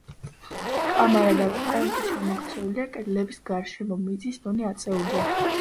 კამარა და კონქი ჩამოქცეულია, კედლების გარშემო მიწის დონე აწეულია.